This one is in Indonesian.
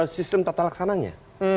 sistem tata laksananya